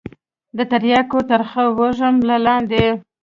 د ترياكو ترخه وږم له لاندې.